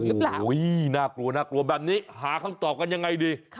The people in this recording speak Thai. โอ้โหน่ากลัวน่ากลัวแบบนี้หาคำตอบกันยังไงดี